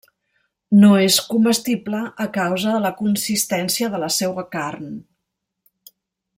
No és comestible a causa de la consistència de la seua carn.